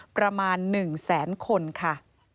ประมาณ๑แสนคนค่ะ